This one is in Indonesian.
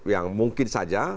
yang mungkin saja